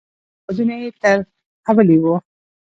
روسیه او هېوادونه یې ترهولي وو.